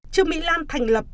trường mỹ lan thành lập